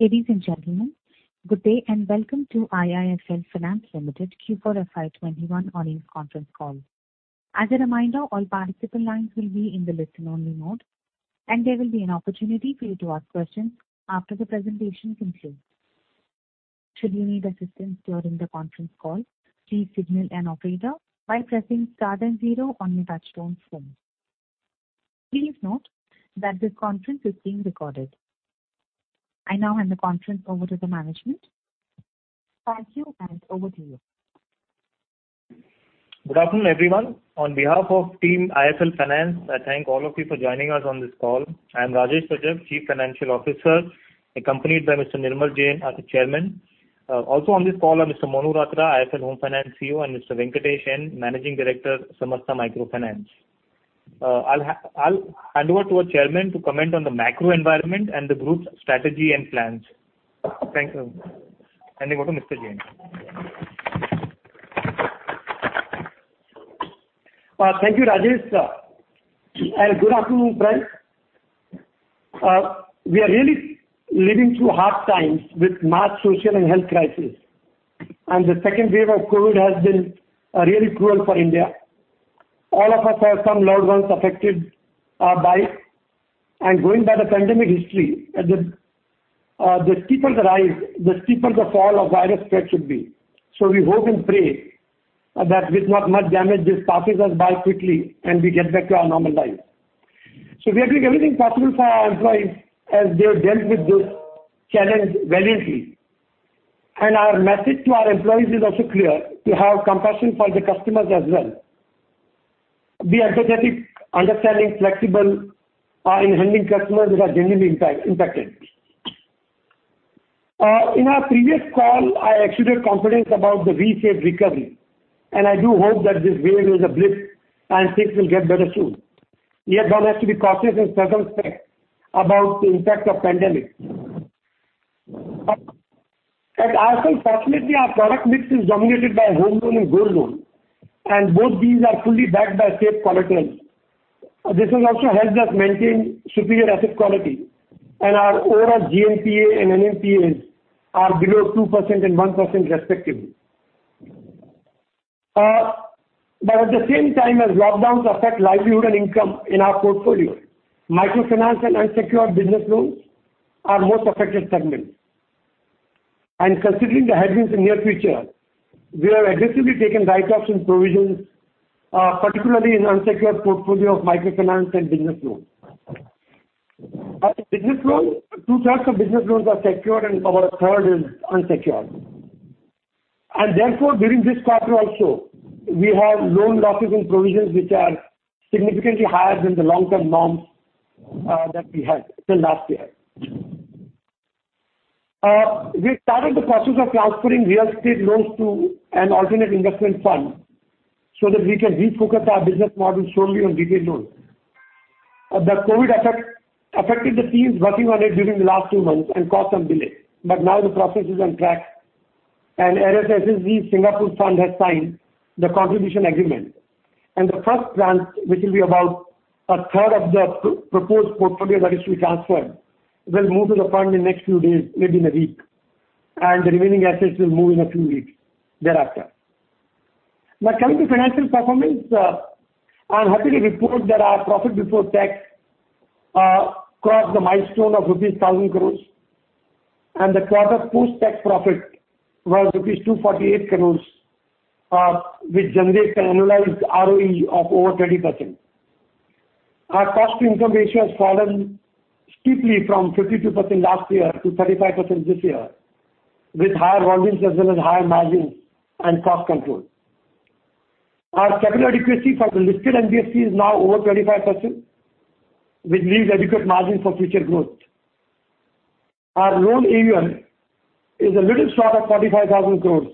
Ladies and gentlemen, good day and welcome to IIFL Finance Limited Q4 FY 2021 earnings conference call. As a reminder, all participant lines will be in the listen-only mode, and there will be an opportunity for you to ask questions after the presentation concludes. Should you need assistance during the conference call, please signal an operator by pressing star and zero on your touchtone phone. Please note that this conference is being recorded. I now hand the conference over to the management. Rajesh and over to you. Good afternoon, everyone. On behalf of Team IIFL Finance, I thank all of you for joining us on this call. I am Rajesh Rajak, Chief Financial Officer, accompanied by Mr. Nirmal Jain, our Chairman. Also on this call are Mr. Monu Ratra, IIFL Home Finance CEO, and Mr. Venkatesh N., Managing Director, Samasta Microfinance. I'll hand over to our Chairman to comment on the macro environment and the group's strategy and plans. Thank you. Handing over to Mr. Jain. Thank you, Rajesh. Good afternoon, friends. We are really living through hard times with mass social and health crisis. The 2nd wave of COVID has been really cruel for India. All of us have some loved ones affected by it. Going by the pandemic history, the steeper the rise, the steeper the fall of virus spread should be. We hope and pray that with not much damage, this passes us by quickly and we get back to our normal lives. We are doing everything possible for our employees as they have dealt with this challenge valiantly. Our message to our employees is also clear, to have compassion for the customers as well. Be empathetic, understanding, flexible in handling customers that are genuinely impacted. In our previous call, I exuded confidence about the V-shaped recovery, and I do hope that this wave is a blip and things will get better soon. One has to be cautious in several aspects about the impact of pandemic. At IIFL, fortunately, our product mix is dominated by home loan and gold loan, and both these are fully backed by safe collateral. This has also helped us maintain superior asset quality, and our overall GNPA and NPAs are below 2% and 1% respectively. At the same time, as lockdowns affect livelihood and income in our portfolio, microfinance and unsecured business loans are most affected segments. Considering the headwinds in near future, we have aggressively taken write-offs and provisions, particularly in unsecured portfolio of microfinance and business loans. Our business loans, 2/3 of business loans are secured and about 1/3 is unsecured. Therefore, during this quarter also, we have loan losses and provisions which are significantly higher than the long-term norms that we had till last year. We started the process of transferring real estate loans to an alternate investment fund so that we can refocus our business model solely on retail loans. The COVID affected the teams working on it during the last two months and caused some delay. But now the process is on track and SSG Singapore Fund has signed the contribution agreement. The 1st tranche, which will be about 1/3 of the proposed portfolio that is to be transferred, will move to the fund in next few days, maybe in a week. The remaining assets will move in a few weeks thereafter. Coming to financial performance, I'm happy to report that our profit before tax crossed the milestone of rupees 1,000 crores, and the quarter post-tax profit was rupees 248 crores, which generates an annualized ROE of over 30%. Our cost-income ratio has fallen steeply from 52% last year to 35% this year, with higher volumes as well as higher margins and cost control. Our capital adequacy for listed NBFC is now over 35%, which leaves adequate margin for future growth. Our loan AUM is a little short of 45,000 crores,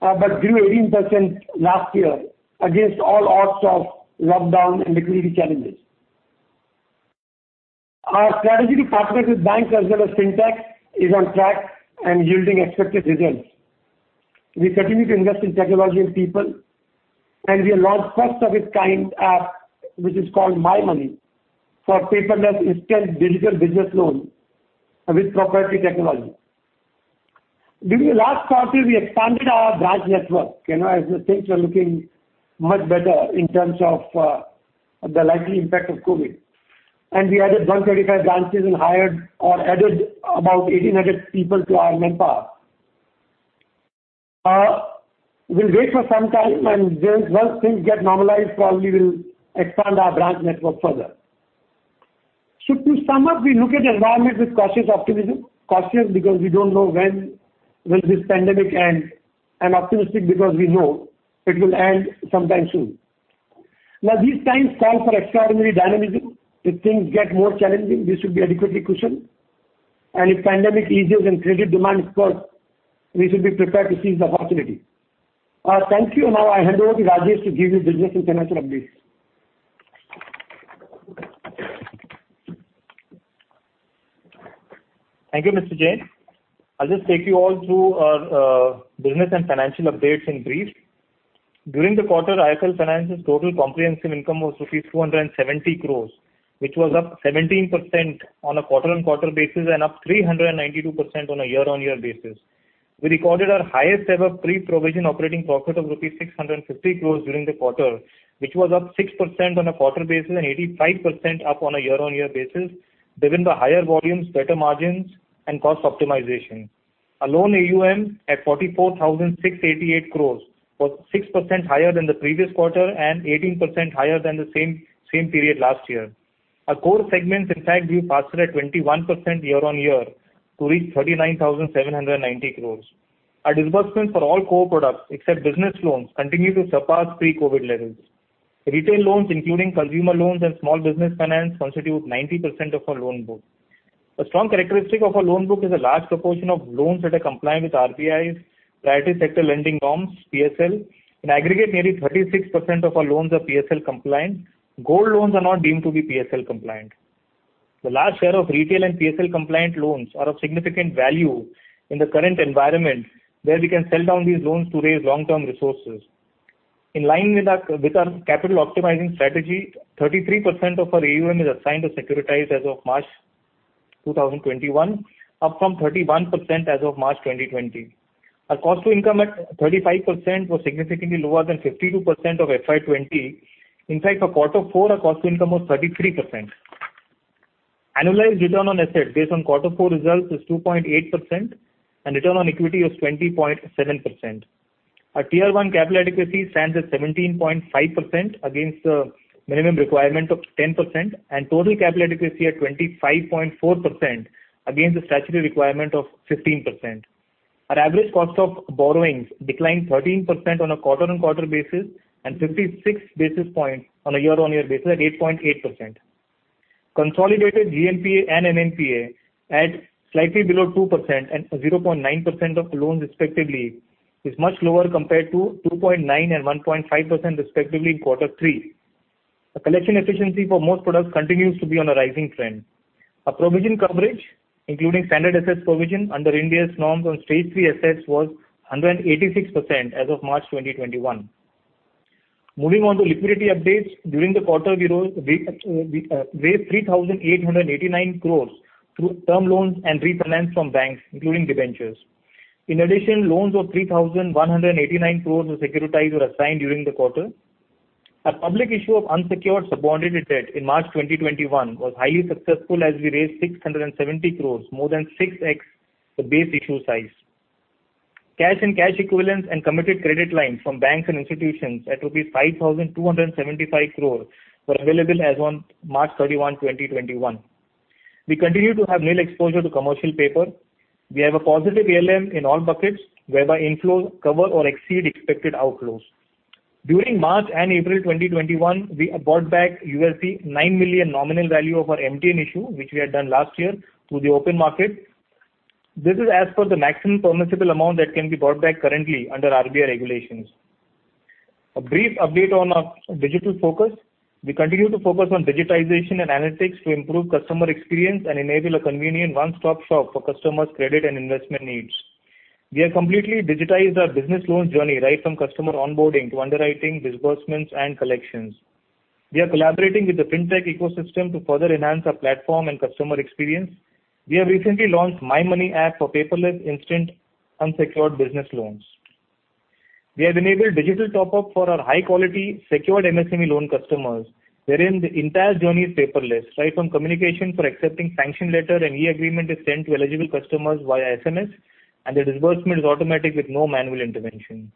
but grew 18% last year against all odds of lockdown and liquidity challenges. Our strategy to partner with banks as well as fintech is on track and yielding expected results. We continue to invest in technology and people, and we launched 1st of its kind app, which is called MyMoney, for paperless instant digital business loans with proprietary technology. During the last quarter, we expanded our branch network as the things were looking much better in terms of the likely impact of COVID. We added 135 branches and hired or added about 1,800 people to our manpower. We'll wait for some time and once things get normalized, probably we'll expand our branch network further. To sum up, we look at the environment with cautious optimism. Cautious because we don't know when will this pandemic end, and optimistic because we know it will end sometime soon. These times call for extraordinary dynamism. If things get more challenging, we should be adequately cushioned. If pandemic eases and credit demand is strong, we should be prepared to seize the opportunity. Thank you. I hand over to Rajesh to give you business and financial updates. Thank you, Mr. Jain. I'll just take you all through our business and financial updates in brief. During the quarter, IIFL Finance's total comprehensive income was rupees 270 crores, which was up 17% on a quarter-on-quarter basis and up 392% on a year-on-year basis. We recorded our highest ever pre-provision operating profit of rupees 650 crores during the quarter, which was up 6% on a quarter basis and 85% up on a year-on-year basis, driven by higher volumes, better margins and cost optimization. Our loan AUM at 44,688 crores was 6% higher than the previous quarter and 18% higher than the same period last year. Our core segments in fact grew faster at 21% year-on-year to reach 39,790 crores. Our disbursement for all core products except business loans continue to surpass pre-COVID levels. Retail loans, including consumer loans and small business finance, constitute 90% of our loan book. A strong characteristic of our loan book is a large proportion of loans that are compliant with RBI's priority sector lending norms, PSL. In aggregate, nearly 36% of our loans are PSL compliant. Gold loans are not deemed to be PSL compliant. The large share of retail and PSL compliant loans are of significant value in the current environment, where we can sell down these loans to raise long-term resources. In line with our capital optimizing strategy, 33% of our AUM is assigned to securitize as of March 2021, up from 31% as of March 2020. Our cost to income at 35% was significantly lower than 52% of FY 2020. In fact, for quarter four, our cost to income was 33%. Annualized return on assets based on quarter four results is 2.8%, and return on equity was 20.7%. Our Tier 1 capital adequacy stands at 17.5% against the minimum requirement of 10%, and total capital adequacy at 25.4% against the statutory requirement of 15%. Our average cost of borrowings declined 13% on a quarter-on-quarter basis and 56 basis points on a year-on-year basis at 8.8%. Consolidated GNPA and NNPA at slightly below 2% and 0.9% of loans respectively, is much lower compared to 2.9% and 1.5% respectively in quarter three. The collection efficiency for most products continues to be on a rising trend. Our provision coverage, including standard assets provision under India's norms on Stage 3 assets, was 186% as of March 2021. Moving on to liquidity updates. During the quarter, we raised 3,889 crores through term loans and refinance from banks, including debentures. In addition, loans of 3,189 crores were securitized or assigned during the quarter. Our public issue of unsecured subordinated debt in March 2021 was highly successful as we raised 670 crore, more than 6x the base issue size. Cash and cash equivalents and committed credit lines from banks and institutions at rupees 5,275 crore were available as on March 31, 2021. We continue to have nil exposure to commercial paper. We have a positive ALM in all buckets, whereby inflows cover or exceed expected outflows. During March and April 2021, we bought back $9 million nominal value of our MTN issue, which we had done last year, through the open market. This is as per the maximum permissible amount that can be bought back currently under RBI regulations. A brief update on our digital focus. We continue to focus on digitization and analytics to improve customer experience and enable a convenient one-stop shop for customers' credit and investment needs. We have completely digitized our business loans journey right from customer onboarding to underwriting, disbursements, and collections. We are collaborating with the Fintech ecosystem to further enhance our platform and customer experience. We have recently launched MyMoney app for paperless, instant, unsecured business loans. We have enabled digital top-up for our high-quality secured MSME loan customers, wherein the entire journey is paperless, right from communication for accepting sanction letter and e-agreement is sent to eligible customers via SMS, and the disbursement is automatic with no manual intervention.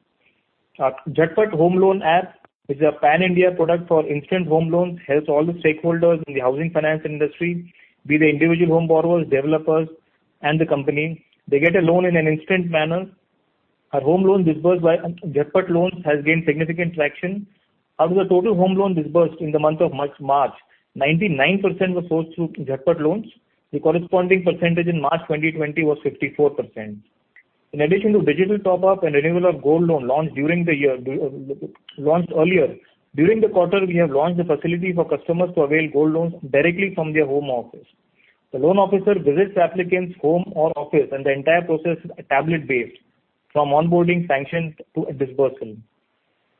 Our JhatPat home loan app is a pan-India product for instant home loans, helps all the stakeholders in the housing finance industry, be the individual home borrowers, developers, and the company. They get a loan in an instant manner. Our home loan disbursed by JhatPat Loans has gained significant traction. Out of the total home loan disbursed in the month of March, 99% was sourced through JhatPat Loans. The corresponding percentage in March 2020 was 54%. In addition to digital top-up and renewal of gold loan launched earlier, during the quarter, we have launched the facility for customers to avail gold loans directly from their home office. The loan officer visits the applicant's home or office, and the entire process is tablet-based, from onboarding, sanction to disbursement.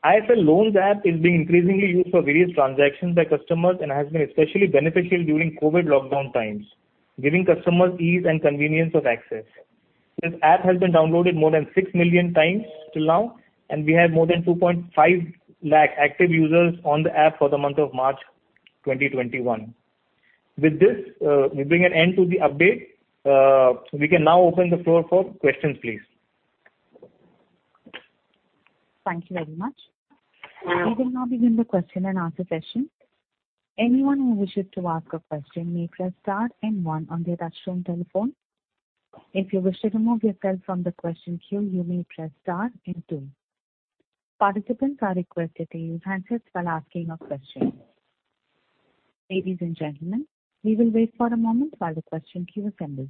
IIFL Loans app is being increasingly used for various transactions by customers and has been especially beneficial during COVID lockdown times, giving customers ease and convenience of access. This app has been downloaded more than 6 million times till now, and we have more than 2.5 lakh active users on the app for the month of March 2021. With this, we bring an end to the update. We can now open the floor for questions, please. Thank you very much. We will now begin the question-and-answer session. Anyone who wishes to ask a question may press star and one on their touch-tone telephone. If you wish to remove yourself from the question queue, you may press star and two. Participants are requested to use handsets while asking a question. Ladies and gentlemen, we will wait for a moment while the question queue assembles.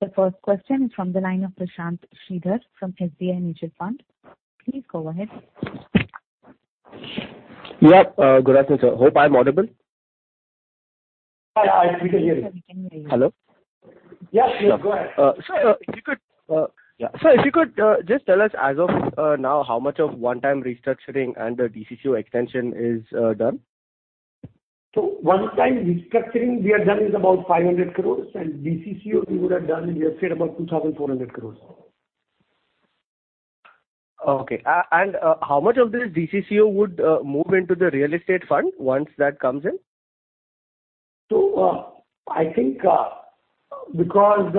The 1st question is from the line of Prashanth Sridhar from SBI Mutual Fund. Please go ahead. Yeah. Good afternoon, sir. Hope I'm audible. Yeah, we can hear you. Yes, sir. We can hear you. Hello? Yes. Go ahead. Sir, if you could just tell us, as of now, how much of one-time restructuring and the DCCO extension is done? One-time restructuring, we are done with about 500 crores, and DCCO we would have done, we have said about 2,400 crores. Okay. How much of this DCCO would move into the real estate fund once that comes in? I think because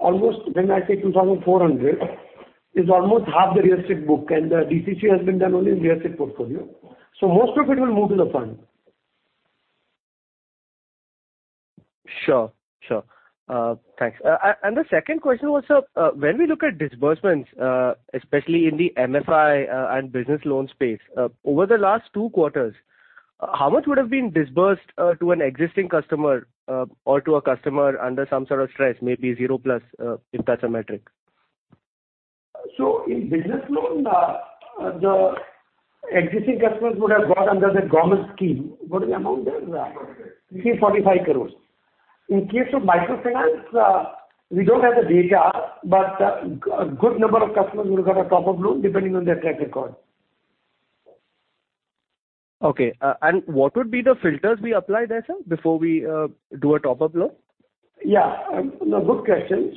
when I say 2,400, is almost half the real estate book and the DCCO has been done only in real estate portfolio. Most of it will move to the fund. Sure. Thanks. The 2nd question was, sir, when we look at disbursements, especially in the MFI and business loan space, over the last two quarters, how much would have been disbursed to an existing customer or to a customer under some sort of stress, maybe zero plus, if that's a metric? In business loans, the existing customers would have got under the government scheme. What is the amount there? 245 crores. In case of microfinance, we don't have the data, but a good number of customers will get a top-up loan depending on their track record. Okay. What would be the filters we apply there, sir, before we do a top-up loan? Yeah. A good question.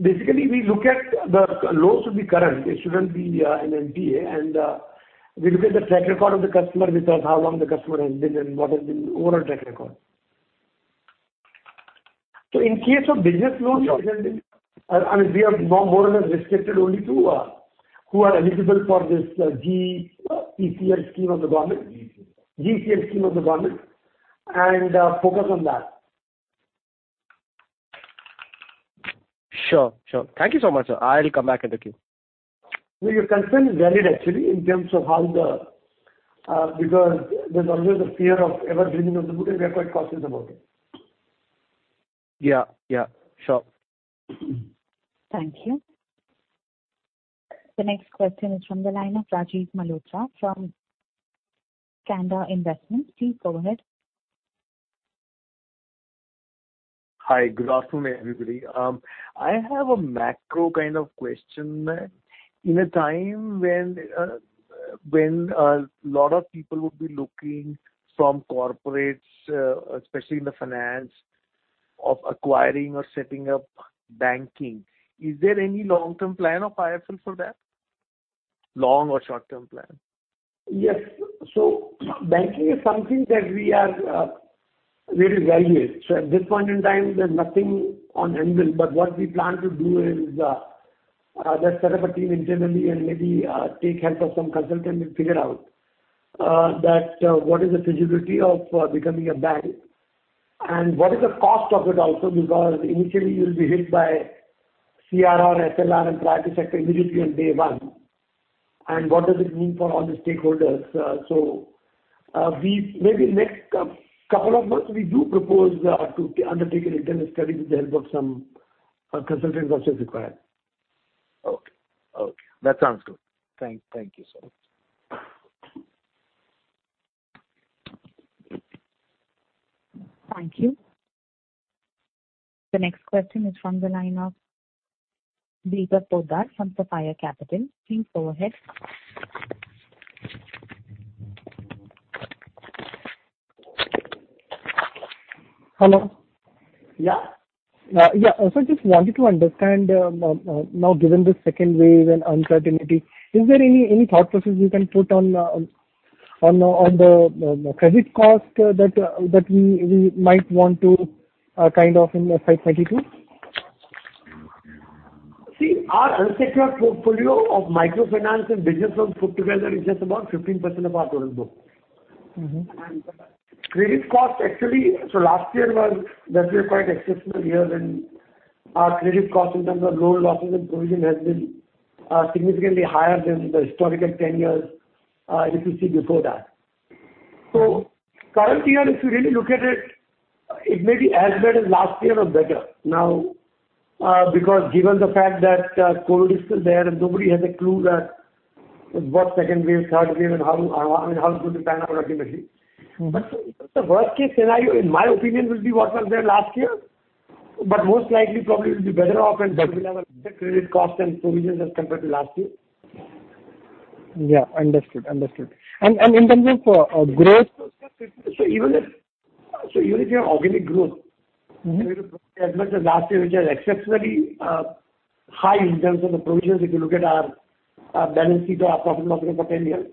Basically, we look at the loans to be current. It shouldn't be an NPA, we look at the track record of the customer with us, how long the customer has been and what has been the overall track record. In case of business loans, I mean, we are more than restricted only to who are eligible for this ECLGS scheme of the government and focus on that. Sure. Thank you so much, sir. I'll come back in the queue. No, your concern is valid actually, in terms of how the because there's always the fear of evergreening of the book, and we are quite cautious about it. Yeah. Sure. Thank you. The next question is from the line of Rajeev Malhotra from Skanda Investments. Please go ahead. Hi. Good afternoon, everybody. I have a macro kind of question. In a time when a lot of people would be looking from corporates, especially in the finance of acquiring or setting up banking, is there any long-term plan of IIFL for that? Long or short-term plan? Yes. Banking is something that we are very wary of. At this point in time, there's nothing on anvil. What we plan to do is, just set up a team internally and maybe take help of some consultant and figure out that what is the feasibility of becoming a bank and what is the cost of it also, because initially you'll be hit by CRR, SLR, and priority sector immediately on day one. What does it mean for all the stakeholders? Maybe next couple of months, we do propose to undertake an internal study with the help of some consultants also if required. Okay. That sounds good. Thank you, sir. Thank you. The next question is from the line of Deepak Poddar from Sapphire Capital. Please go ahead. Hello. Yeah. Yeah. Sir, just wanted to understand, now given the 2nd wave and uncertainty, is there any thought process you can put on the credit cost that we might want to kind of in FY 2022? See, our unsecured portfolio of microfinance and business loans put together is just about 15% of our total book. Credit cost actually, last year was actually a quite exceptional year when our credit cost in terms of loan losses and provision has been significantly higher than the historical 10 years if you see before that. Current year, if you really look at it may be as bad as last year or better now, because given the fact that COVID is still there and nobody has a clue that what 2nd wave, 3rd wave and how it could pan out ultimately. The worst-case scenario, in my opinion, will be what was there last year, but most likely probably will be better off and better level the credit cost and provisions as compared to last year. Yeah. Understood. In terms of growth- Even if you have organic growth as much as last year, which was exceptionally high in terms of the provisions, if you look at our balance sheet or our profit margin for 10 years.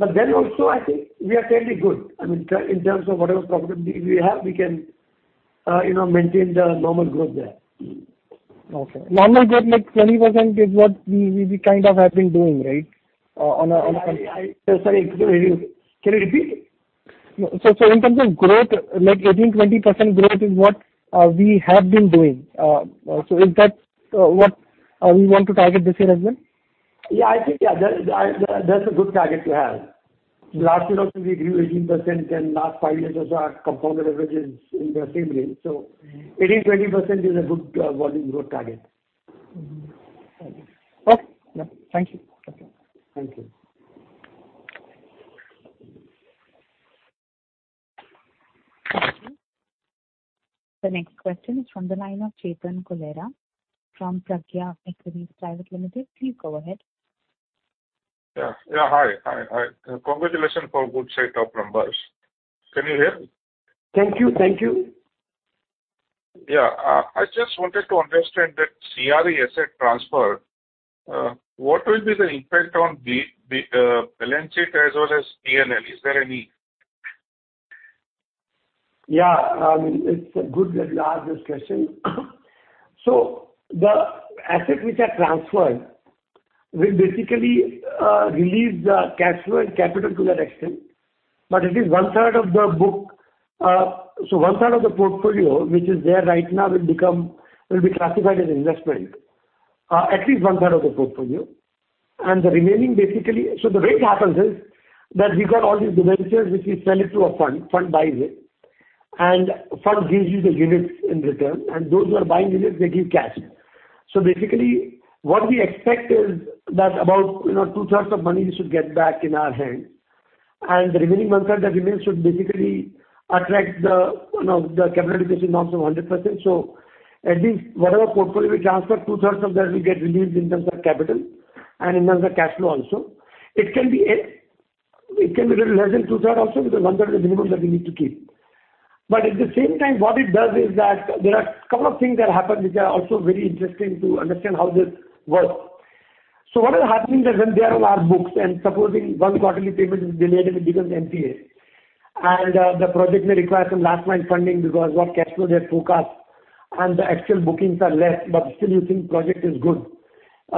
Also I think we are fairly good. I mean, in terms of whatever profitability we have, we can maintain the normal growth there. Okay. Normal growth, like 20% is what we kind of have been doing, right? Sorry. Can you repeat? In terms of growth, like 18%-20% growth is what we have been doing. Is that what we want to target this year as well? I think that's a good target to have. Last year also we grew 18%, and last five years also our compounded average is in the same range. 18%-20% is a good volume growth target. Okay. Thank you. Thank you. The next question is from the line of Chetan Cholera from Pragya Equities Private Limited. Please go ahead. Yeah. Hi. Congratulations for good set of numbers. Can you hear me? Thank you. Yeah. I just wanted to understand that CRE asset transfer. What will be the impact on the balance sheet as well as P&L? Is there any? Yeah. It is good that you asked this question. The assets which are transferred will basically release the cash flow and capital to that extent, but it is 1/3 of the book. 1/3 of the portfolio, which is there right now will be classified as investment. At least 1/3 of the portfolio. The way it happens is that we have got all these debentures, which we sell it to a fund buys it, and fund gives you the units in return, and those who are buying units, they give cash. Basically, what we expect is that about 2/3 of money we should get back in our hand, and the remaining 1/3 that remains should basically attract the capital adequacy norms of 100%. At least whatever portfolio we transfer, 2/3 of that will get released in terms of capital and in terms of cash flow also. It can be a little less than 2/3 also, because 1/3 is the minimum that we need to keep. But at the same time, what it does is that there are a couple of things that happen which are also very interesting to understand how this works. What is happening is when they are on our books, and supposing one quarterly payment is delayed, it becomes NPA. The project may require some last-mile funding because what cash flow they've forecast and the actual bookings are less, but still you think project is good. It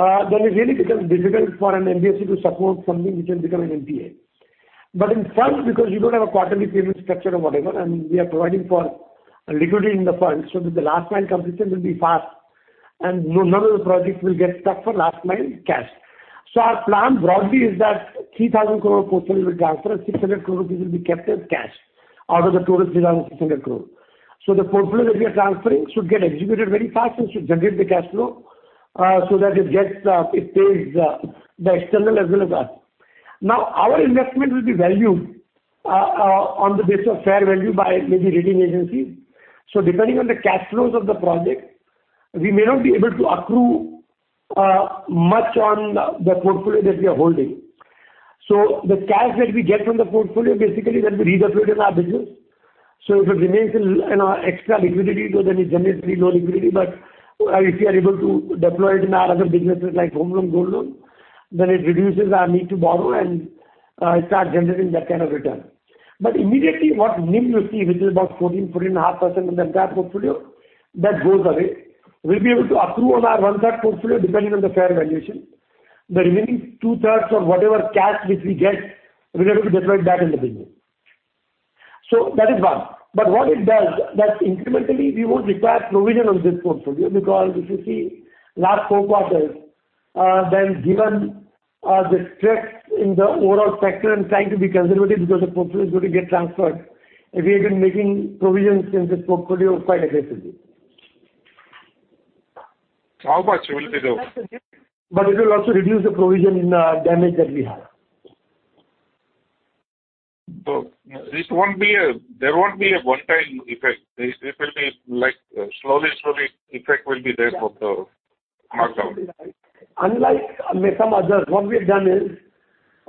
really becomes difficult for an NBFC to support something which will become an NPA. In funds, because you don't have a quarterly payment structure or whatever, and we are providing for liquidity in the fund, the last-mile completion will be fast and none of the projects will get stuck for last-mile cash. Our plan broadly is that 3,000 crore portfolio will transfer and 600 crore rupees will be kept as cash out of the total 3,600 crore. The portfolio that we are transferring should get executed very fast and should generate the cash flow so that it pays the external as well as us. Now, our investment will be valued on the basis of fair value by maybe rating agencies. Depending on the cash flows of the project, we may not be able to accrue much on the portfolio that we are holding. The cash that we get from the portfolio, basically that will be redistributed in our business. If it remains in our extra liquidity, though then it's generally low liquidity, but if we are able to deploy it in our other businesses like home loan, gold loan, then it reduces our need to borrow and start generating that kind of return. Immediately what NIM you see, which is about 14%, 14.5% in the entire portfolio, that goes away. We'll be able to accrue on our 1/3 portfolio depending on the fair valuation. The remaining 2/3 or whatever cash which we get, we're able to deploy that in the business. That is one. What it does, that incrementally, we won't require provision on this portfolio because if you see last four quarters, given the stress in the overall sector and trying to be conservative because the portfolio is going to get transferred, we have been making provisions in this portfolio quite aggressively. How much will it be though? It will also reduce the provision in our damage that we have. There won't be a one-time effect. It will be like slowly-slowly effect will be there for the markdown. Absolutely right. Unlike some others, what we have done is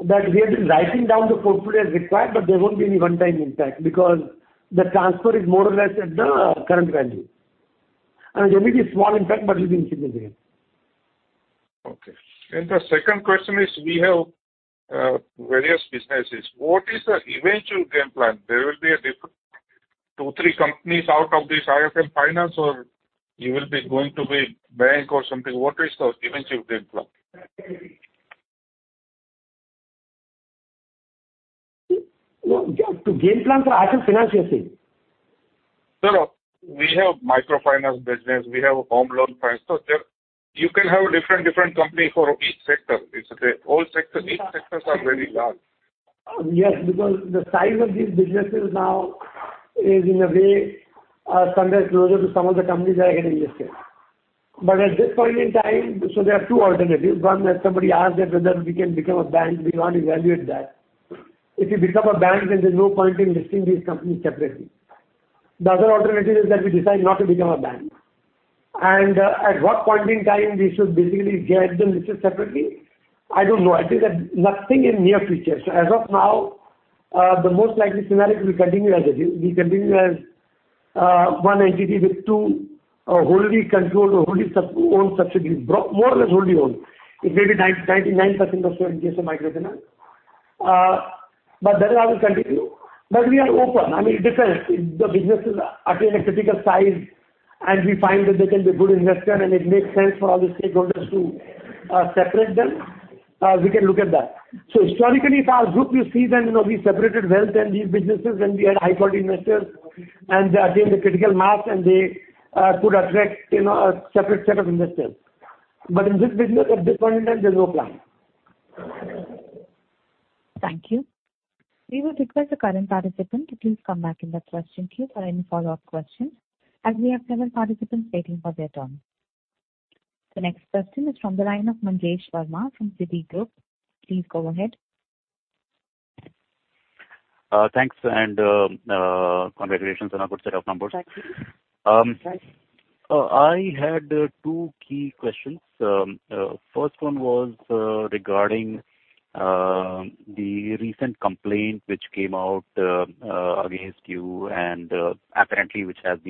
that we have been writing down the portfolio as required, but there won't be any one-time impact because the transfer is more or less at the current value. There may be small impact, but it will be insignificant. Okay. The 2nd question is, we have various businesses. What is the eventual game plan? There will be a different two, three companies out of this IIFL Finance or you will be going to be bank or something? What is the eventual game plan? Game plan for IIFL Finance, you are saying? Sir, we have microfinance business, we have a home loan finance. You can have a different company for each sector. Is it? Each sectors are very large. Yes, because the size of these businesses now is in a way sometimes closer to some of the companies that I can invest in. At this point in time, there are two alternatives. One, as somebody asked that whether we can become a bank, we want to evaluate that. If you become a bank, there's no point in listing these companies separately. The other alternative is that we decide not to become a bank. At what point in time we should basically get them listed separately? I don't know. I think that nothing in near future. As of now, the most likely scenario is we continue as one entity with two wholly controlled or wholly owned subsidiaries. More or less wholly owned. It may be 99% or so in case of microfinance. That I will continue. We are open. It depends. If the businesses attain a critical size and we find that they can be a good investment and it makes sense for all the stakeholders to separate them, we can look at that. Historically, if our group, you see then, we separated wealth and these businesses when we had high-quality investors, and they attained a critical mass and they could attract a separate set of investors. In this business, at this point in time, there's no plan. Thank you. We would request the current participant to please come back in the question queue for any follow-up questions, as we have several participants waiting for their turn. The next question is from the line of Manjesh Verma from Citigroup. Please go ahead. Thanks. Congratulations on a good set of numbers. Thank you. I had two key questions. 1st one was regarding the recent complaint which came out against you and apparently which is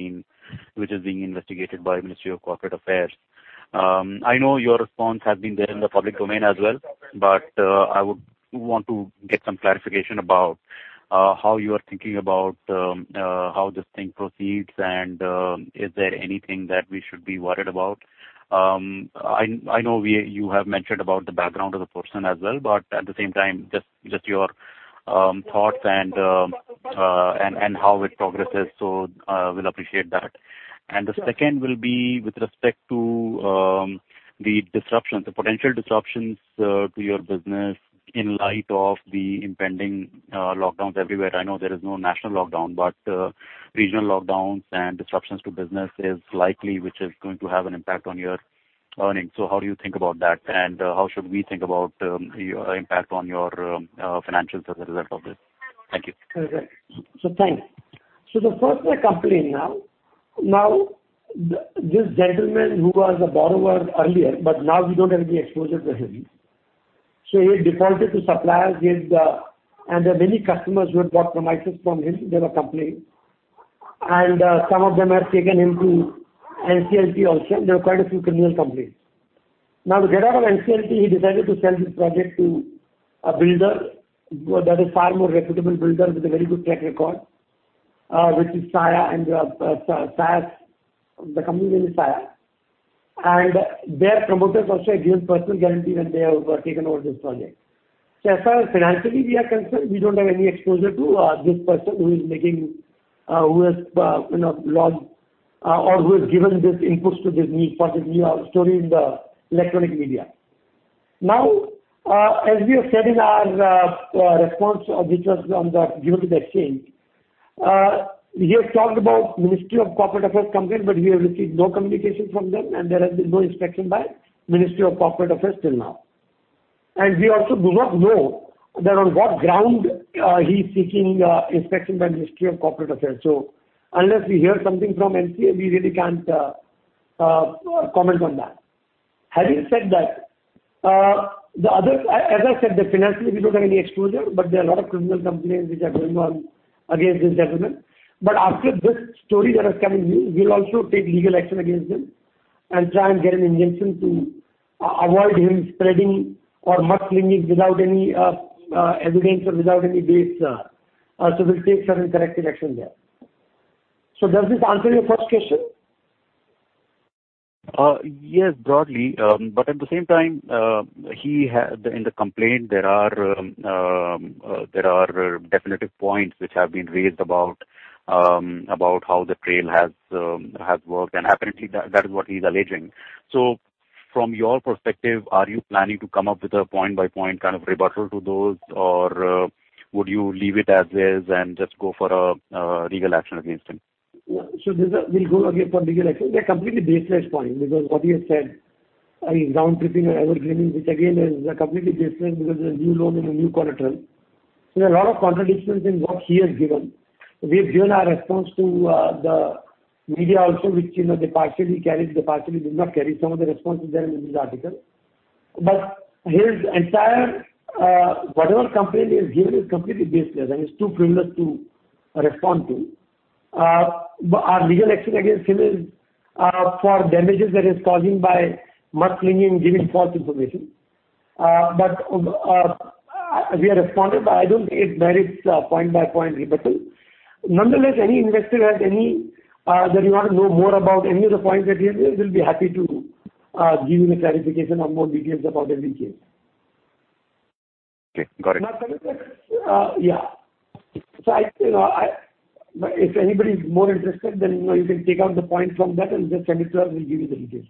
being investigated by the Ministry of Corporate Affairs. I know your response has been there in the public domain as well, but I would want to get some clarification about how you are thinking about how this thing proceeds and is there anything that we should be worried about? I know you have mentioned about the background of the person as well, but at the same time, just your thoughts and how it progresses. We'll appreciate that. The 2nd will be with respect to the potential disruptions to your business in light of the impending lockdowns everywhere. I know there is no national lockdown, but regional lockdowns and disruptions to business is likely, which is going to have an impact on your earnings. How do you think about that, and how should we think about the impact on your financials as a result of this? Thank you. Perfect. Thanks. The 1st, the complaint now. This gentleman who was a borrower earlier, but now we don't have any exposure to him. He defaulted to suppliers, and there are many customers who had bought from ICICI Bank or company, and some of them have taken him to NCLT also, and there are quite a few criminal complaints. To get out of NCLT, he decided to sell his project to a builder, that is far more reputable builder with a very good track record, which is Saya. The company name is Saya. Their promoters also gave personal guarantee when they were taking over this project. As far as financially we are concerned, we don't have any exposure to this person who has lodged or who has given this input to this new project story in the electronic media. As we have said in our response which was given to the exchange, he has talked about Ministry of Corporate Affairs complaint, but we have received no communication from them, and there has been no inspection by Ministry of Corporate Affairs till now. We also do not know that on what ground he's seeking inspection by the Ministry of Corporate Affairs. Unless we hear something from MCA, we really can't comment on that. Having said that, as I said, that financially we don't have any exposure, but there are a lot of criminal complaints which are going on against this gentleman. After this story that has come in news, we'll also take legal action against him and try and get an injunction to avoid him spreading or mudslinging without any evidence or without any base. We'll take certain corrective action there. Does this answer your 1st question? Yes, broadly. At the same time, in the complaint there are definitive points which have been raised about how the trail has worked, and apparently, that is what he's alleging. From your perspective, are you planning to come up with a point-by-point kind of rebuttal to those, or would you leave it as is and just go for a legal action against him? We'll go again for legal action. Their completely baseless point because what he has said, round-tripping or evergreening, which again, is completely baseless because it's a new loan and a new collateral. There are a lot of contradictions in what he has given. We have given our response to the media also, which they partially carried, they partially did not carry. Some of the response is there in this article. His entire, whatever complaint he has given is completely baseless, and it's too frivolous to respond to. Our legal action against him is for damages that is causing by mudslinging, giving false information. We have responded, but I don't think it merits point-by-point rebuttal. Nonetheless, any investor that you want to know more about any of the points that he has raised, we'll be happy to give you the clarification or more details about every case. Okay, got it. Yeah. If anybody's more interested, you can take out the point from that and just send it to us, we'll give you the details.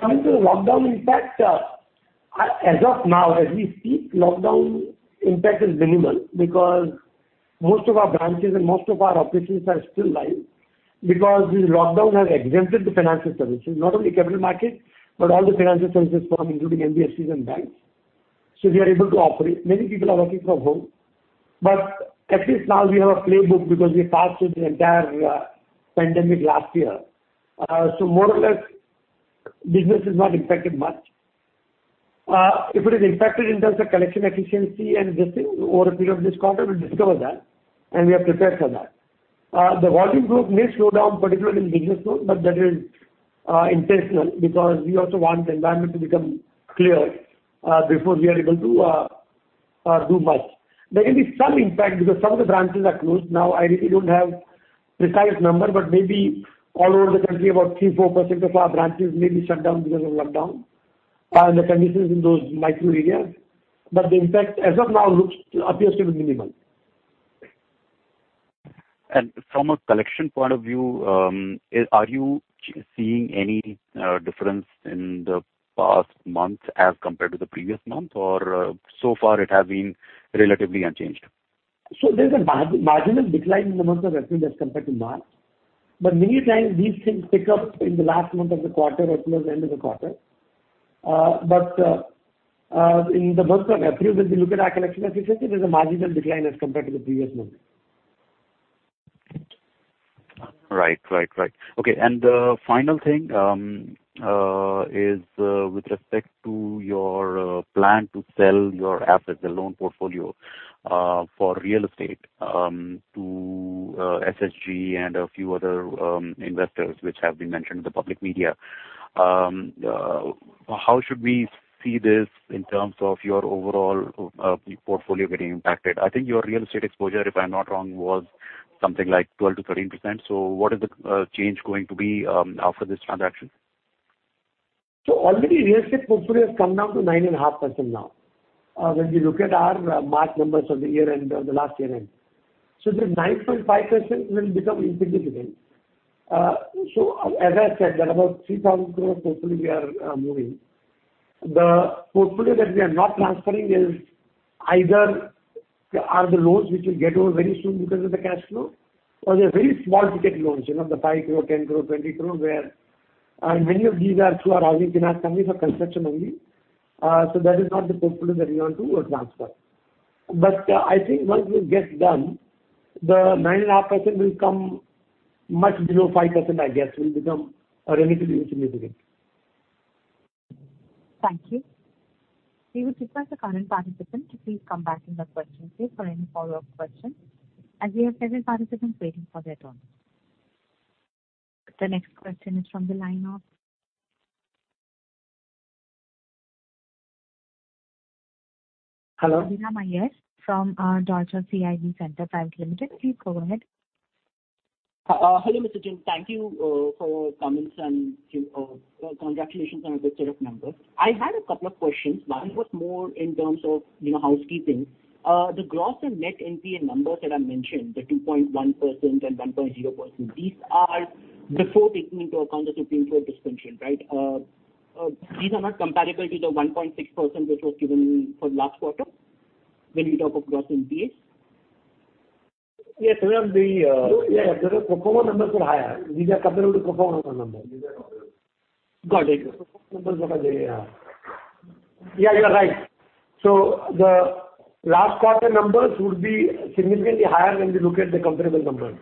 Coming to the lockdown impact. As of now, as we speak, lockdown impact is minimal because most of our branches and most of our offices are still live. This lockdown has exempted the financial services, not only capital market, but all the financial services firm, including NBFCs and banks. We are able to operate. Many people are working from home. At least now we have a playbook because we passed through the entire pandemic last year. More or less, business is not impacted much. If it is impacted in terms of collection efficiency and this thing, over a period of this quarter, we'll discover that, and we are prepared for that. The volume growth may slow down, particularly in the business loan, but that is intentional because we also want the environment to become clear before we are able to do much. There will be some impact because some of the branches are closed. I really don't have precise number, but maybe all over the country, about three, four percent of our branches may be shut down because of lockdown and the tensions in those micro areas. The impact, as of now, appears to be minimal. From a collection point of view, are you seeing any difference in the past month as compared to the previous month? So far it has been relatively unchanged? There's a marginal decline in the month of April as compared to March, but many times these things pick up in the last month of the quarter or towards the end of the quarter. In the month of April, when we look at our collection efficiency, there's a marginal decline as compared to the previous month. Right. Okay. The final thing is with respect to your plan to sell your assets, the loan portfolio for real estate to SSG and a few other investors which have been mentioned in the public media. How should we see this in terms of your overall portfolio getting impacted? I think your real estate exposure, if I'm not wrong, was something like 12%-13%. What is the change going to be after this transaction? Already real estate portfolio has come down to 9.5% now. When we look at our March numbers of the last year-end. This 9.5% will become insignificant. As I said, that about 3,000 crore portfolio we are moving. The portfolio that we are not transferring either are the loans which will get over very soon because of the cash flow or they are very small ticket loans, the 5 crore, 10 crore, 20 crore, where many of these are through our housing finance company for construction only. That is not the portfolio that we want to transfer. I think once we get done, the 9.5% will come much below 5%, I guess, will become relatively insignificant. Thank you. We would request the current participant to please come back in the question queue for any follow-up questions, as we have several participants waiting for their turn. The next question is from the line of- Hello. Abhiram Iyer from Deutsche CIB Centre Private Limited. Please go ahead. Hello, Mr. Jain. Thank you for coming and congratulations on a good set of numbers. I had a couple of questions. One was more in terms of housekeeping. The gross and net NPA numbers that are mentioned, the 2.1% and 1.0%, these are before taking into account the Supreme Court suspension, right? These are not comparable to the 1.6% which was given for last quarter, when you talk of gross NPAs? Yes. The pro forma numbers were higher. These are comparable to pro forma numbers. Got it. Numbers were higher. Yeah, you're right. The last quarter numbers would be significantly higher when we look at the comparable numbers.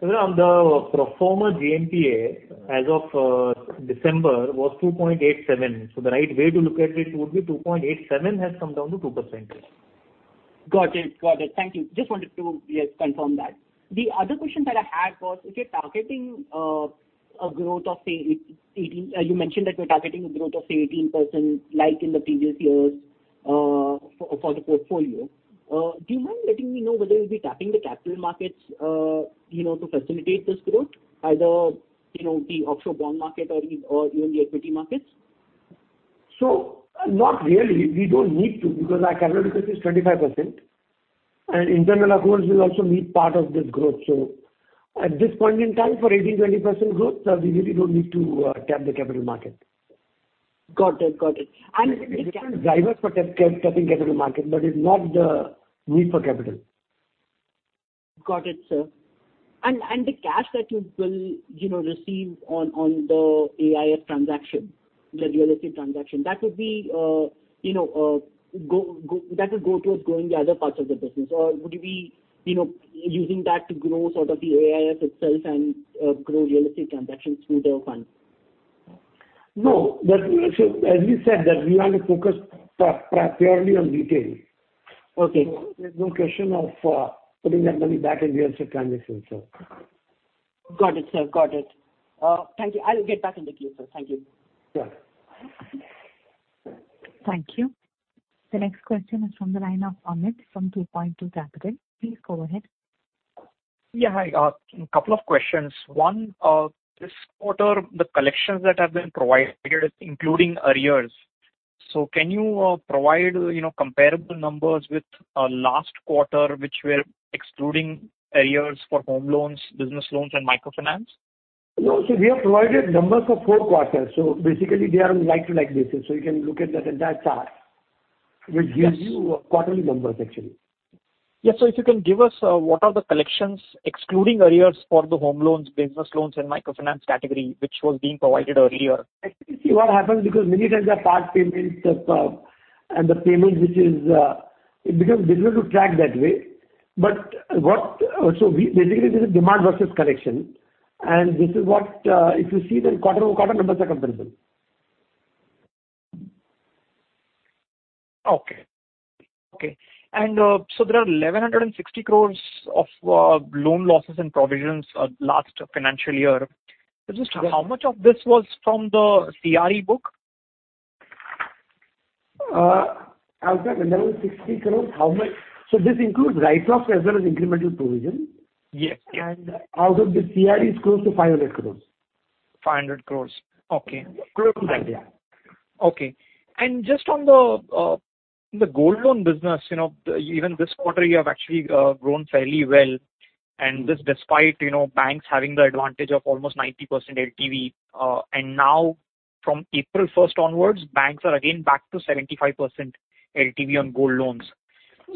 Sir, on the pro forma GNPA as of December was 2.87%. The right way to look at it would be 2.87% has come down to 2%. Got it. Thank you. Just wanted to confirm that. The other question that I had was You mentioned that you're targeting a growth of, say, 18% like in the previous years for the portfolio. Do you mind letting me know whether you'll be tapping the capital markets to facilitate this growth, either the offshore bond market or even the equity markets? Not really. We don't need to because our capital deficit is 25%, and internal accruals will also meet part of this growth. At this point in time, for 18%-20% growth, we really don't need to tap the capital market. Got it. There are different drivers for tapping capital market, but it's not the need for capital. Got it, sir. The cash that you will receive on the AIF transaction, the real estate transaction, that will go towards growing the other parts of the business, or would you be using that to grow sort of the AIF itself and grow real estate transactions through the fund? No. As we said that we want to focus primarily on retail. Okay. There's no question of putting that money back in real estate transactions. Got it, sir. Thank you. I'll get back in the queue, sir. Thank you. Sure. Thank you. The next question is from the line of Amit from 2Point2 Capital. Please go ahead. Yeah. Hi. A couple of questions. One, this quarter, the collections that have been provided including arrears. Can you provide comparable numbers with last quarter, which were excluding arrears for home loans, business loans, and microfinance? No. We have provided numbers for four quarters. Basically they are like this. You can look at that entire chart. Yes. Which gives you quarterly numbers, actually. Yeah. If you can give us what are the collections, excluding arrears for the home loans, business loans, and microfinance category, which was being provided earlier? Actually, see what happens because many times they are part payment and the payment, it becomes difficult to track that way. Basically, this is demand versus collection. This is what if you see the quarter numbers are comparable. Okay. There are 1,160 crores of loan losses and provisions last financial year. Just how much of this was from the CRE book? Out of 1,160 crores, how much? This includes write-offs as well as incremental provision. Yes. Out of this CRE is close to 500 crores. 500 crores. Okay. Close to that, yeah. Okay. Just on the gold loan business, even this quarter, you have actually grown fairly well. This despite banks having the advantage of almost 90% LTV. Now from April 1st onwards, banks are again back to 75% LTV on gold loans.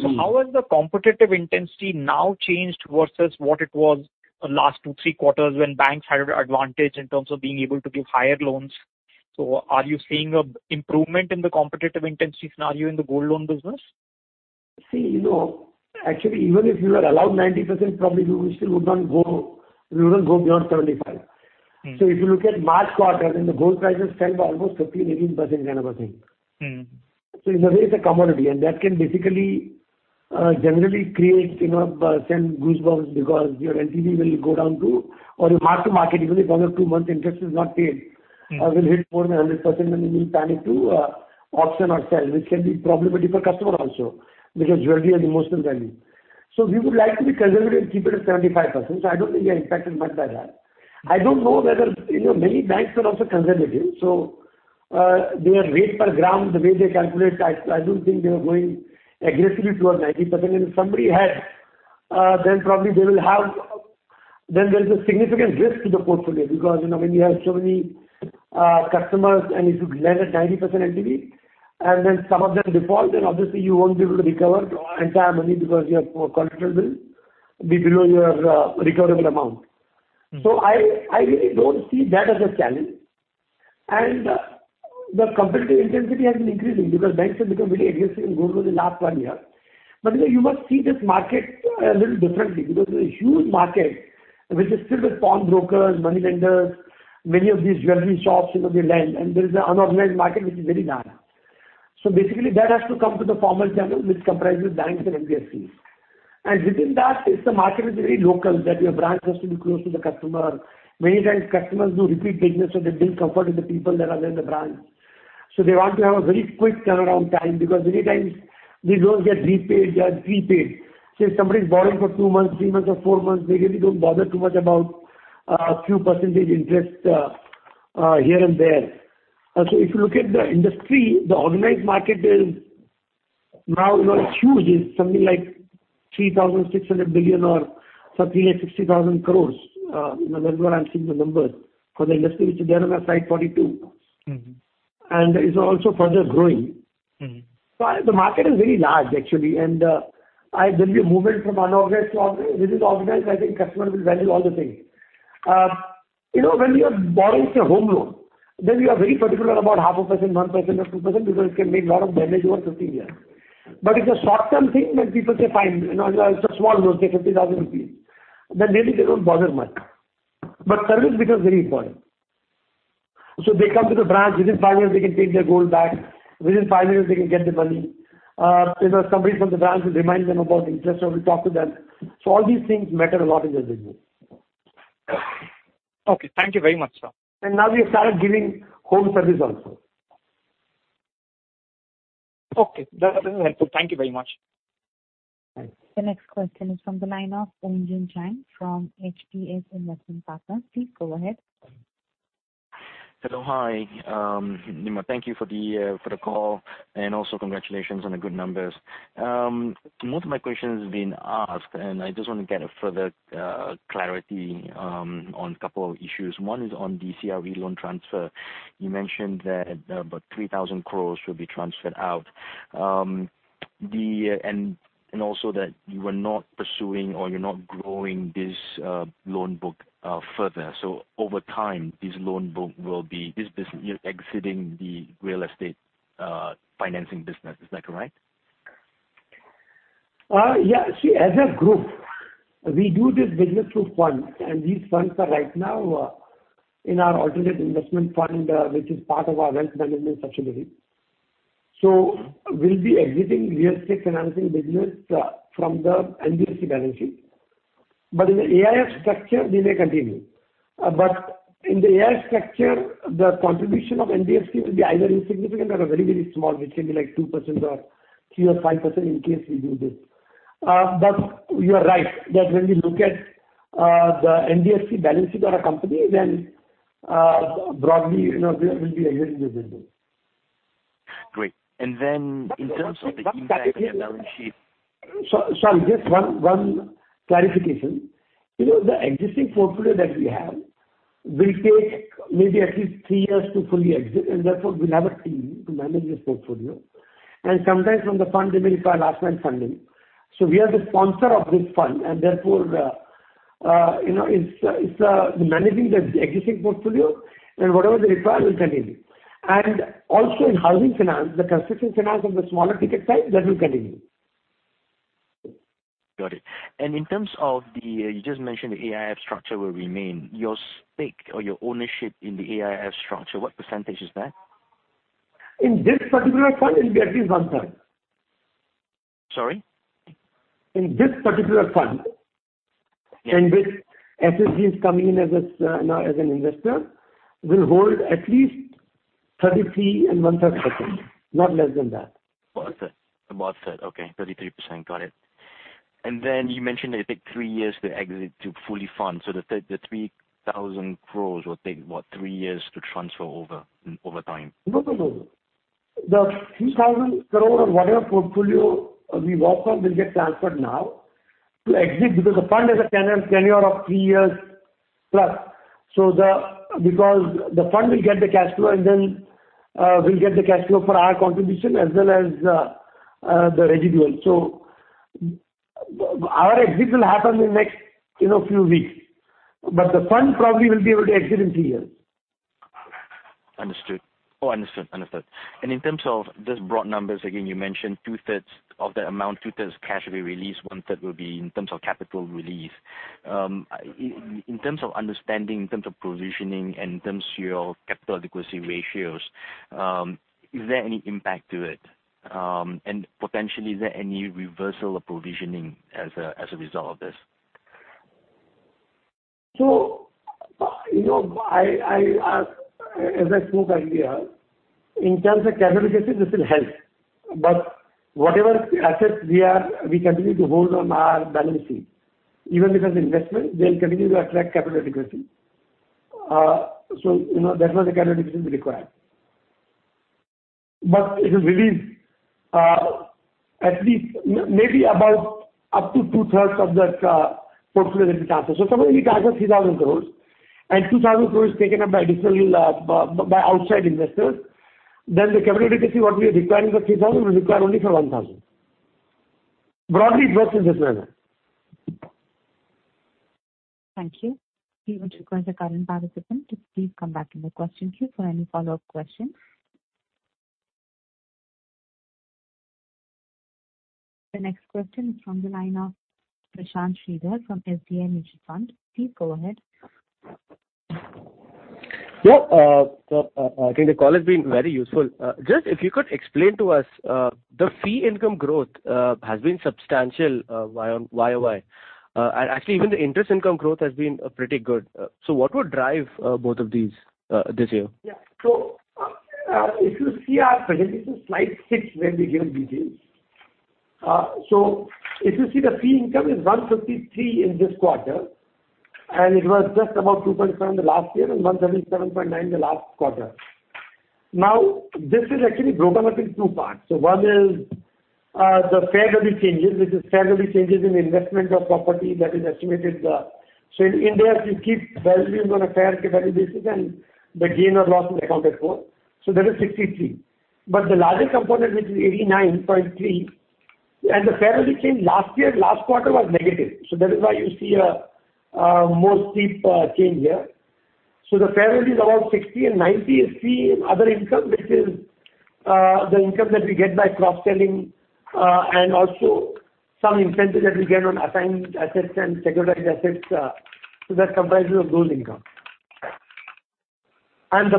How has the competitive intensity now changed versus what it was the last two, three quarters when banks had advantage in terms of being able to give higher loans? Are you seeing improvement in the competitive intensity scenario in the gold loan business? See, actually, even if you were allowed 90%, probably we still would not go beyond 75. If you look at March quarter, then the gold prices fell by almost 15%-18%, kind of a thing. In a way it's a commodity, and that can basically generally send goosebumps because your LTV will go down too, or you have to mark it even if under two months interest is not paid. Will hit more than 100% and you need panic to auction or sell, which can be problematic for customer also, because jewelry has emotional value. We would like to be conservative and keep it at 75%. I don't think we are impacted much by that. I don't know whether many banks were also conservative, so their rate per gram, the way they calculate, I don't think they were going aggressively towards 90%. If somebody had, then there's a significant risk to the portfolio because when you have so many customers and if you lend at 90% LTV, and then some of them default, then obviously you won't be able to recover entire money because your collateral will be below your recoverable amount. I really don't see that as a challenge. The competitive intensity has been increasing because banks have become very aggressive in gold over the last one year. You must see this market a little differently because there's a huge market which is filled with pawn brokers, money lenders. Many of these jewelry shops they lend, and there is an unorganized market which is very large. Basically that has to come to the formal channel which comprises banks and NBFCs. Within that system, market is very local, that your branch has to be close to the customer. Many times customers do repeat business so they build comfort with the people that are there in the branch. They want to have a very quick turnaround time because many times these loans get repaid, they are prepaid. Say somebody's borrowing for two months, three months or four months, they really don't bother too much about few percentage interest here and there. If you look at the industry, the organized market is now huge. It's something like 3,600 billion or something like 60,000 crores. That's what I'm seeing the numbers for the industry, which is there on our slide 42. It's also further growing. The market is very large actually, and there will be a movement from unorganized to organized. If it is organized, I think customers will value all the things. When you are borrowing, say, home loan, then you are very particular about half a percent, 1% or 2% because it can make lot of damage over 15 years. If the short-term thing, then people say fine. It's a small loan, say 50,000 rupees, then maybe they don't bother much. Service becomes very important. They come to the branch, within five minutes they can take their gold back, within five minutes they can get the money. Somebody from the branch will remind them about interest, or will talk to them. All these things matter a lot in their business. Okay. Thank you very much, sir. Now we have started giving home service also. Okay. That is helpful. Thank you very much. Thanks. The next question is from the line of Eugene Chan from HPS Investment Partners. Please go ahead. Hello. Hi, Nirmal. Thank you for the call, and also congratulations on the good numbers. Most of my questions have been asked, and I just want to get a further clarity on couple of issues. One is on the CRE loan transfer. You mentioned that about 3,000 crore will be transferred out. That you are not pursuing or you're not growing this loan book further. Over time, this loan book will be this business, you're exiting the real estate financing business. Is that correct? Yeah. See, as a group, we do this business through funds, and these funds are right now in our alternate investment fund, which is part of our wealth management subsidiary. We'll be exiting real estate financing business from the NBFC balance sheet. In the AIF structure, we may continue. In the AIF structure, the contribution of NBFC will be either insignificant or very small, which can be like 2% or 3% or 5% in case we do this. You are right that when we look at the NBFC balance sheet our company, broadly, we'll be exiting this business. Great. Then in terms of the impact on your balance sheet- Sorry, just one clarification. The existing portfolio that we have will take maybe at least three years to fully exit, therefore we'll have a team to manage this portfolio. Sometimes from the fund they may require last mile funding. We are the sponsor of this fund, therefore, it's the managing the existing portfolio and whatever the requirement will continue. Also in housing finance, the construction finance of the smaller ticket size, that will continue. Got it. In terms of the, you just mentioned the AIF structure will remain. Your stake or your ownership in the AIF structure, what percentage is that? In this particular fund, it'll be at least 1/3. Sorry? In this particular fund. Yeah. In which SSG has come in now as an investor, we'll hold at least 33% and 1/3%, not less than that. About 1/3. Okay, 33%. Got it. You mentioned that it takes three years to exit to fully fund. The 3,000 crores will take, what, three years to transfer over time? No. The 3,000 crore or whatever portfolio we work on will get transferred now to exit because the fund has a tenure of three years plus. The fund will get the cash flow, and then we'll get the cash flow for our contribution as well as the residual. Our exit will happen in the next few weeks, but the fund probably will be able to exit in three years. Understood. In terms of just broad numbers, again, you mentioned 2/3 of the amount, 2/3 cash will be released, 1/3 will be in terms of capital release. In terms of understanding, in terms of provisioning, and in terms of your capital adequacy ratios, is there any impact to it? Potentially, is there any reversal of provisioning as a result of this? As I spoke earlier, in terms of capital adequacy, this will help. Whatever assets we continue to hold on our balance sheet, even if it's investment, they will continue to attract capital adequacy. That's why the capital adequacy is required. It will release at least maybe about up to 2/3 of that portfolio will be transferred. Suppose we transfer 3,000 crores and 2,000 crores is taken up additionally by outside investors, then the capital adequacy, what we are requiring for 3,000, we require only for 1,000. Broadly it works in this manner. Thank you. We would request the current participant to please come back in the question queue for any follow-up questions. The next question is from the line of Prashant Sridhar from SBI Mutual Fund. Please go ahead. Yeah. I think the call has been very useful. Just if you could explain to us, the fee income growth has been substantial YoY. Actually, even the interest income growth has been pretty good. What would drive both of these this year? If you see our presentation, slide 6 where we give details. If you see the fee income is 153 in this quarter, and it was just about 207 last year and 177.9 the last quarter. This is actually broken up in two parts. One is the fair value changes. This is fair value changes in investment of property that is estimated. In India, if you keep valuing on a fair-value basis and the gain or loss is accounted for. That is 63. The larger component, which is 89.3, and the fair value change last year, last quarter was negative. That is why you see a more steep change here. The fair value is around 60, and 90 is fee and other income, which is the income that we get by cross-selling and also some incentives that we get on assigned assets and securitized assets. That comprises of those income, and the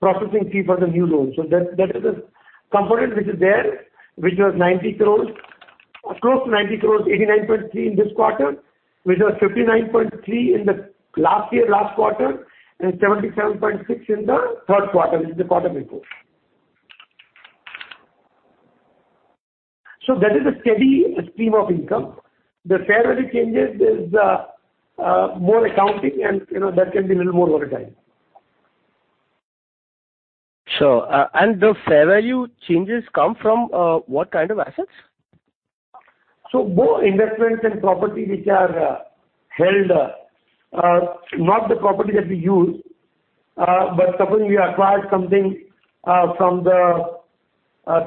processing fee for the new loans. That is a component which is there, which was close to 90 crore, 89.3 in this quarter, which was 59.3 in the last year, last quarter, and 77.6 in the 3rd quarter, which is the quarter before. That is a steady stream of income. The fair value changes is more accounting and that can be a little more volatile. Sure. The fair value changes come from what kind of assets? Both investments and property which are held, not the property that we use, but suppose we acquired something from the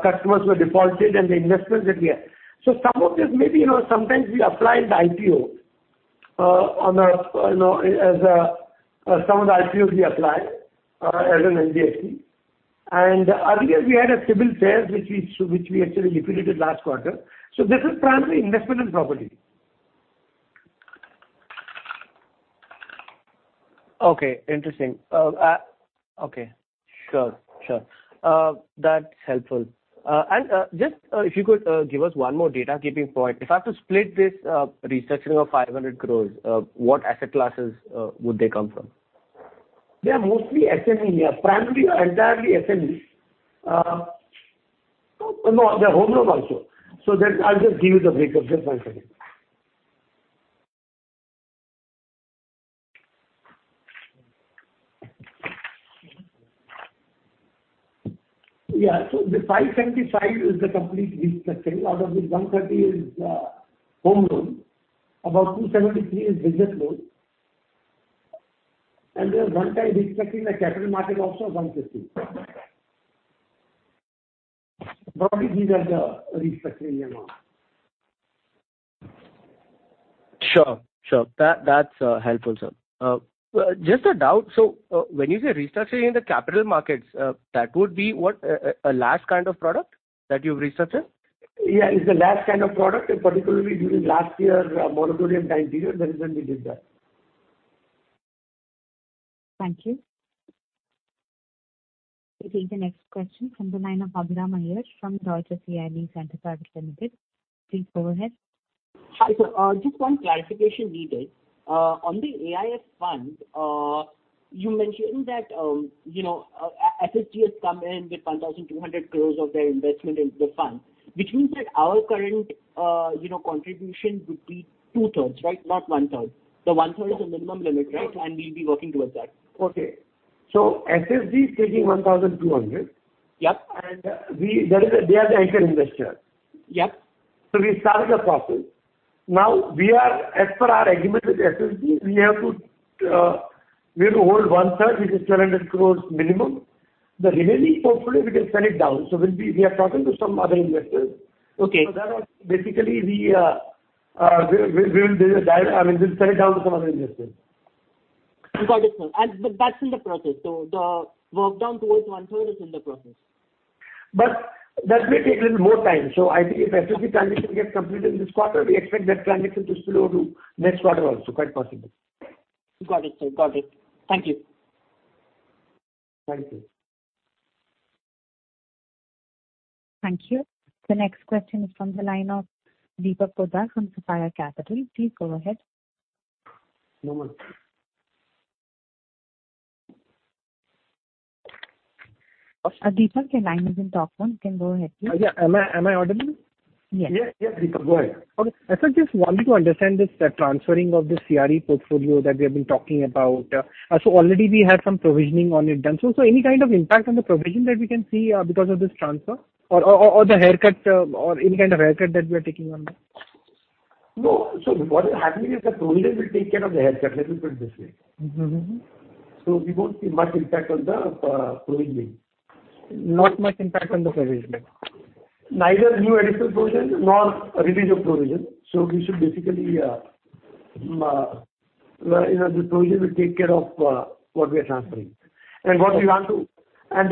customers who have defaulted and the investments that we have. Some of this maybe sometimes we apply in the IPO. Some of the IPOs we apply as an NBFC. Earlier we had a CIBIL share, which we actually liquidated last quarter. This is primarily investment and property. Okay. Interesting. Okay. Sure. That's helpful. Just if you could give us one more data keeping point. If I have to split this restructuring of 500 crores, what asset classes would they come from? They are mostly SME. Primarily, entirely SME. They are home loans also. I'll just give you the breakup, just one second. Yeah. The 575 is the complete restructuring. Out of this, 130 is home loan, about 273 is business loan, and there's one-time restructuring the capital market also, 150. Broadly, these are the restructuring amounts. Sure. That's helpful, sir. Just a doubt. When you say restructuring in the capital markets, that would be what? A LAS kind of product that you've restructured? It's a LAS kind of product, particularly during last year moratorium time period. That is when we did that. Thank you. We'll take the next question from the line of Abhiram Iyer from Deutsche CIB Centre Private Limited. Please go ahead. Hi, sir. Just one clarification needed. On the AIF fund, you mentioned that SSG has come in with 1,200 crores of their investment in the fund, which means that our current contribution would be two-3rds, right? Not 1/3. The 1/3 is the minimum limit, right? We'll be working towards that. Okay. SSG is taking 1,200. Yep. They are the anchor investor. Yep. We started the process. As per our agreement with SSG, we have to hold 1/3, which is 700 crore minimum. The remaining portfolio, we can sell it down. We are talking to some other investors. Okay. That basically, we'll sell it down to some other investors. Got it, sir. That's in the process. The work down towards 1/3 is in the process. That may take a little more time. I think if SSG transition gets completed in this quarter, we expect that transition to spill over to next quarter also, quite possible. Got it, sir. Thank you. Thank you. Thank you. The next question is from the line of Deepak Poddar from Sapphire Capital. Please go ahead. No more. Deepak, your line is on talk phone. You can go ahead, please. Yeah. Am I audible? Yes. Yeah. Deepak, go ahead. I, sir, just wanted to understand this, the transferring of the CRE portfolio that we have been talking about. Already we have some provisioning on it done. Any kind of impact on the provision that we can see because of this transfer or the haircut, or any kind of haircut that we are taking on that? No. What is happening is the provision will take care of the haircut. Let me put it this way. We won't see much impact on the provisioning. Not much impact on the provisioning. Neither new additional provision nor release of provision. We should basically, the provision will take care of what we are transferring. The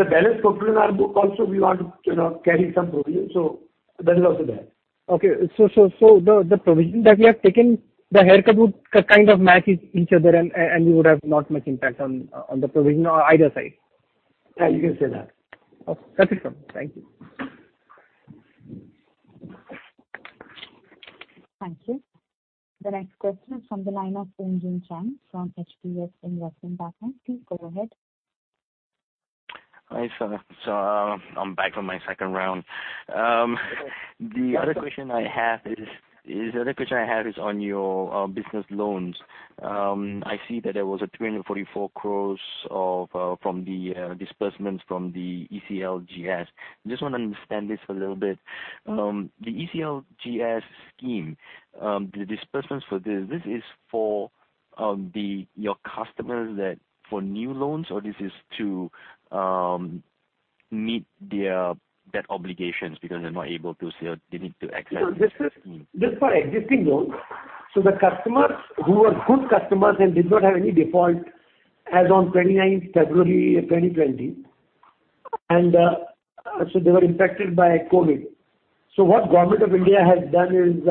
balance portfolio in our book also, we want to carry some provision, so that is also there. Okay. The provision that we have taken, the haircut would kind of match each other, and we would have not much impact on the provision on either side. Yeah, you can say that. Okay. That's it, sir. Thank you. Thank you. The next question is from the line of Eugene Chan from HPS Investment Partners. Please go ahead. Hi, sir. I'm back on my 2nd round. The other question I have is on your business loans. I see that there was 244 crore from the disbursements from the ECLGS. Just want to understand this a little bit. The ECLGS scheme, the disbursements for this is for your customers that for new loans, or this is to meet their debt obligations because they're not able to sell, they need to access this scheme? This is for existing loans. The customers who were good customers and did not have any default as on 29th February 2020, and so they were impacted by COVID. What Government of India has done is,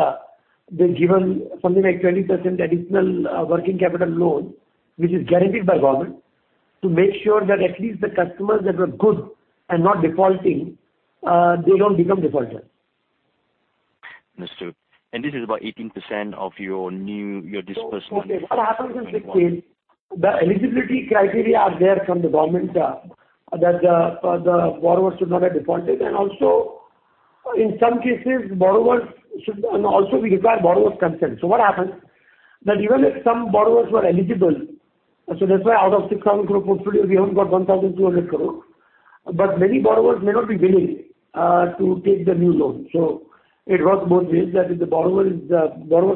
they've given something like 20% additional working capital loan, which is guaranteed by government to make sure that at least the customers that were good and not defaulting, they don't become defaulters. Understood. This is about 18% of your disbursement in Q1. Okay. What happens is this scheme, the eligibility criteria are there from the government, that the borrower should not have defaulted, and also, we require borrower's consent. What happens, that even if some borrowers were eligible, so that's why out of 6,000 crore portfolio, we have got 1,200 crore. Many borrowers may not be willing to take the new loan. It works both ways, that if the borrower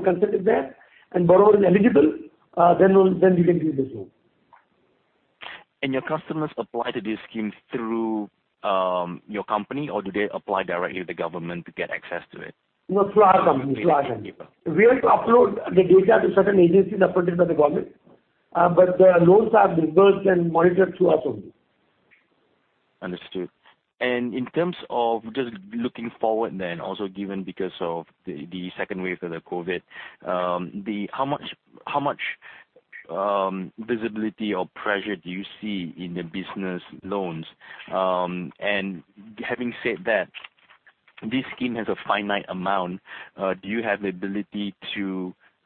consent is there and borrower is eligible, then we can give this loan. Your customers apply to these schemes through your company, or do they apply directly to the Government to get access to it? No. Through our company. Through your company. We have to upload the data to certain agencies appointed by the government, but the loans are disbursed and monitored through us only. Understood. In terms of just looking forward then, also given because of the 2nd wave of the COVID, how much visibility or pressure do you see in the business loans? Having said that, this scheme has a finite amount.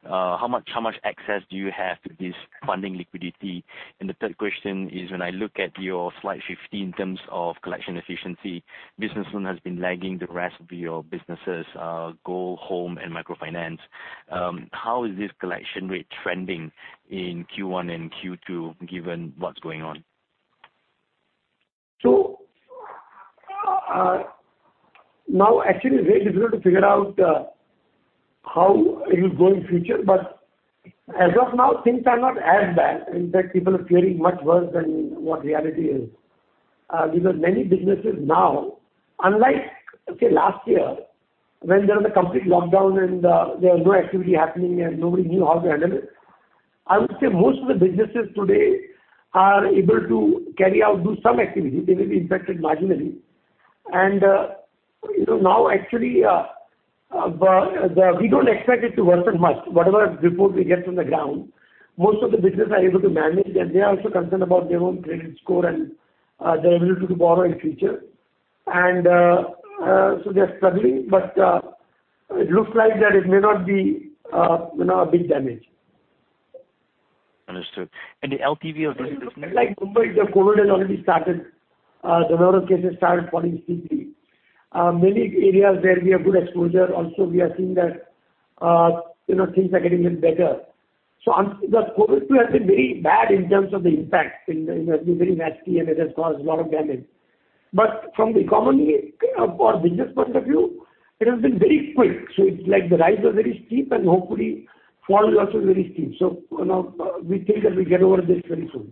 How much access do you have to this funding liquidity? The 3rd question is, when I look at your slide 15 in terms of collection efficiency, business loan has been lagging the rest of your businesses, gold, home, and microfinance. How is this collection rate trending in Q1 and Q2, given what's going on? Now actually it's very difficult to figure out how it will go in future. As of now, things are not as bad. In fact, people are fearing much worse than what reality is. Many businesses now, unlike, say, last year when there was a complete lockdown and there was no activity happening and nobody knew how to handle it, I would say most of the businesses today are able to carry out, do some activity. They may be impacted marginally. Now actually, we don't expect it to worsen much. Whatever reports we get from the ground, most of the business are able to manage, and they are also concerned about their own credit score and their ability to borrow in future. They're struggling, but it looks like that it may not be a big damage. Understood. The LTV of this business? Like Mumbai, the COVID has already started. The number of cases started falling steeply. Many areas where we have good exposure also, we are seeing that things are getting even better. The COVID too has been very bad in terms of the impact. It has been very nasty, and it has caused a lot of damage. From the economy or business point of view, it has been very quick. It's like the rise was very steep and hopefully fall is also very steep. We think that we'll get over this very soon.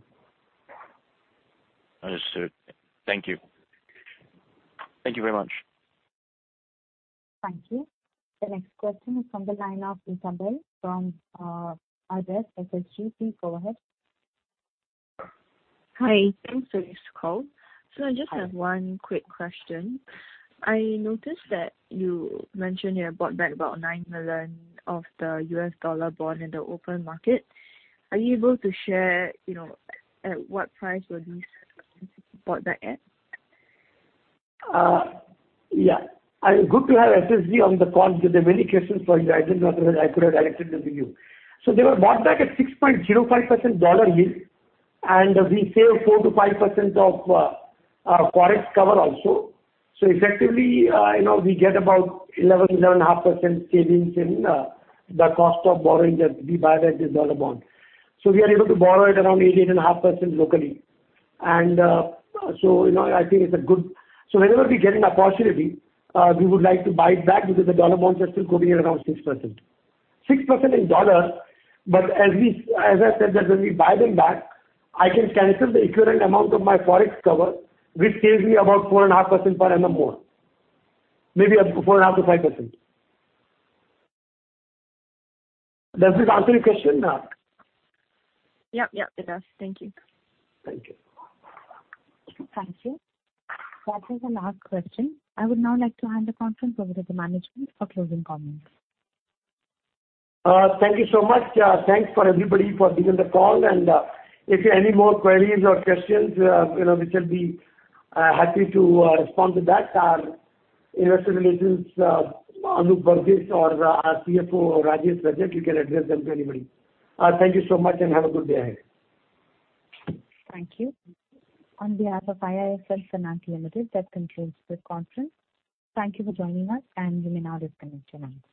Understood. Thank you. Thank you very much. Thank you. The next question is from the line of Isabelle from Ares SSG. Please go ahead. Hi. Thanks for this call. I just have one quick question. I noticed that you mentioned you have bought back about $9 million of the US dollar bond in the open market. Are you able to share, at what price were these bought back at? Good to have SSG on the call because there are many questions for you. I didn't know whether I could have directed them to you. They were bought back at 6.05% dollar yield, and we saved 4%-5% of forex cover also. Effectively, we get about 11%, 11.5% savings in the cost of borrowing as we buy back this dollar bond. We are able to borrow at around 8.5% locally. I think it's good. Whenever we get an opportunity, we would like to buy it back because the dollar bonds are still quoting at around 6%. 6% in dollar, but as I said that when we buy them back, I can cancel the equivalent amount of my forex cover, which saves me about 4.5% per annum more. Maybe up to 4.5%-5%. Does this answer your question or no? Yep, it does. Thank you. Thank you. Thank you. That was the last question. I would now like to hand the conference over to the management for closing comments. Thank you so much. Thanks for everybody for being on the call. If you have any more queries or questions, we shall be happy to respond to that. Our Investor Relations, Anup Burgess or our CFO, Rajesh Rajak, you can address them to anybody. Thank you so much and have a good day ahead. Thank you. On behalf of IIFL Finance Limited, that concludes this conference. Thank you for joining us, and you may now disconnect your lines.